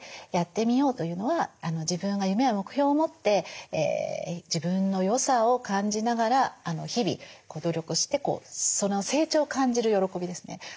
「やってみよう」というのは自分が夢や目標を持って自分の良さを感じながら日々努力して成長を感じる喜びですね。